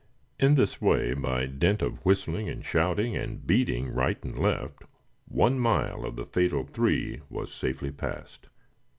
In this way, by dint of whistling and shouting, and beating right and left, one mile of the fatal three was safely passed.